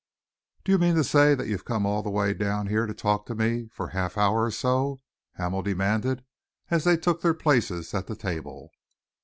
"Do you mean to say that you've come all the way down here to talk to me for half an hour or so?" Hamel demanded, as they took their places at a table.